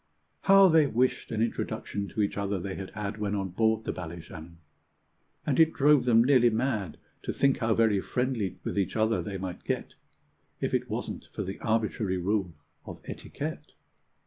How they wished an introduction to each other they had had When on board the Ballyshannon! And it drove them nearly mad To think how very friendly with each other they might get, If it wasn't for the arbitrary rule of etiquette!